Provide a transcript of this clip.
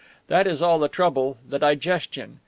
That is all the trouble, the digestion.